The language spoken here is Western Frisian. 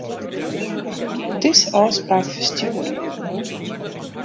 Dizze ôfspraak ferstjoere.